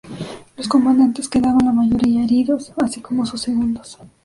Los comandantes quedaban la mayoría heridos, así como sus segundos.